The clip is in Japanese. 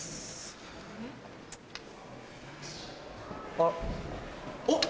あっ。おっ！